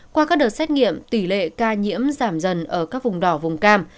qua các đợt xét nghiệm tỷ lệ ca nhiễm giảm dần ở các vùng đỏ vùng cam